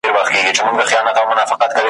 د سباوون په انتظار چي ومه `